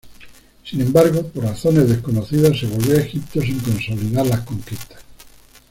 Sin embargo, por razones desconocidas, se volvió a Egipto sin consolidar las conquistas.